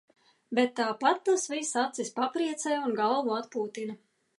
Bet tāpat tas viss acis papriecē un galvu atpūtina.